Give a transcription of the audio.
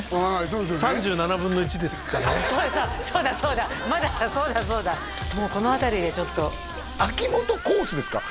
そうだそうだそうだまだそうだそうだもうこの辺りでちょっと秋元コースですか？